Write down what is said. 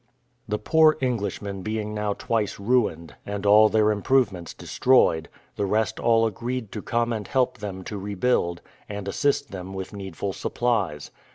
The poor Englishmen being now twice ruined, and all their improvements destroyed, the rest all agreed to come and help them to rebuild, and assist them with needful supplies.